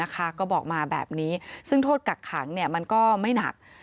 ก็บอกมาแบบนี้ซึ่งโทษกักขังมันก็ไม่หนัก